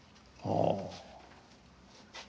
ああ。